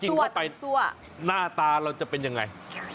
ถ้าจริงพอไปหน้าตาเราจะเป็นยังไง